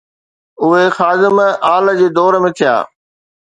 اهي خادم آل جي دور ۾ ٿيا.